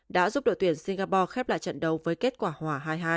đã giúp đội tuyển singapore khép lại trận đấu với kết quả hỏa hai hai